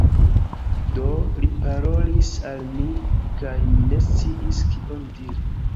Do, li parolis al mi, kaj mi ne sciis kion diri.